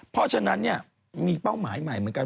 เพราะฉะนั้นเนี่ยมีเป้าหมายใหม่เหมือนกัน